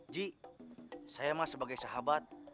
ji saya mah sebagai sahabat